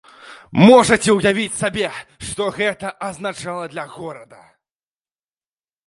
Можаце ўявіць сабе, што гэта азначала для горада.